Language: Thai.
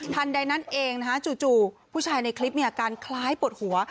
ใดนั้นเองนะฮะจู่ผู้ชายในคลิปมีอาการคล้ายปวดหัว